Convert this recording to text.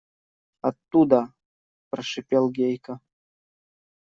– Оттуда, – прошипел Гейка.